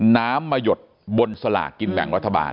น้ำมาหยดบนสลากกินแบ่งรัฐบาล